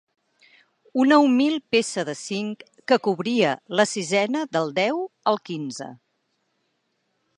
Una humil peça de cinc que cobria la sisena del deu al quinze.